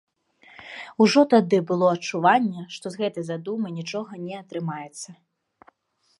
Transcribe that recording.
Ужо тады было адчуванне, што з гэтай задумы нічога не атрымаецца.